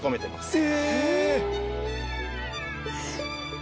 え！